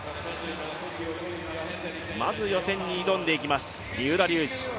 まず予選に挑んでいきます、三浦龍司です。